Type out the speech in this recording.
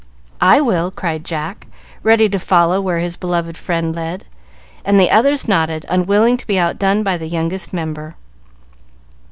"I will!" cried Jack, ready to follow where his beloved friend led, and the others nodded, unwilling to be outdone by the youngest member.